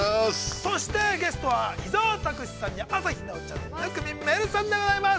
そしてゲストは、伊沢拓司さんに、朝日奈央ちゃんに生見愛瑠さんでございます。